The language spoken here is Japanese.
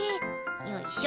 よいしょ。